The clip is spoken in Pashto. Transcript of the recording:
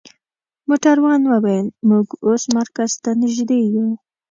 موټروان وویل: موږ اوس مرکز ته نژدې یو.